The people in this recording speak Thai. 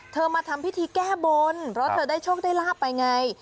มาทำพิธีแก้บนเพราะเธอได้โชคได้ลาบไปไง